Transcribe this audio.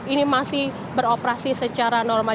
ini masih beroperasi secara normal